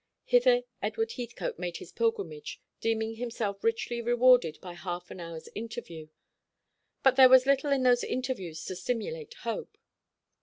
Hither Edward Heathcote made his pilgrimage, deeming himself richly rewarded by half an hour's interview; but there was little in those interviews to stimulate hope.